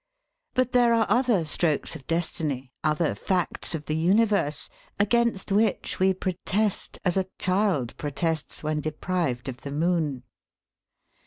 But there are other strokes of destiny, other facts of the universe, against which we protest as a child protests when deprived of the moon.